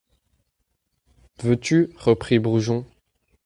Veux-tu ? reprit Brujon.